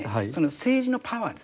政治のパワーです。